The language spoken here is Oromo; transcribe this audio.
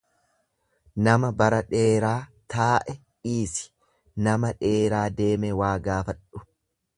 Nama bara dheeraa taa'e dhiisi nama dheeraa deeme waa gaafadhu.